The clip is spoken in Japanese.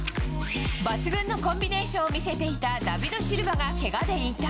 抜群のコンビネーションを見せていたダビド・シルバがけがで引退。